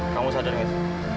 kamu sadar nges